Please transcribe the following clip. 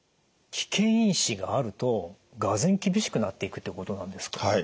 危険因子があるとがぜん厳しくなっていくってことなんですか？